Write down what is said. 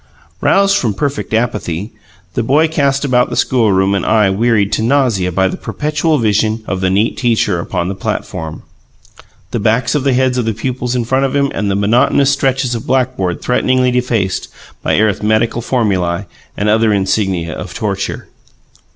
Roused from perfect apathy, the boy cast about the schoolroom an eye wearied to nausea by the perpetual vision of the neat teacher upon the platform, the backs of the heads of the pupils in front of him, and the monotonous stretches of blackboard threateningly defaced by arithmetical formulae and other insignia of torture.